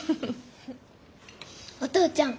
お父ちゃん。